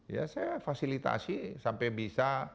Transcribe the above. ya saya fasilitasi sampai bisa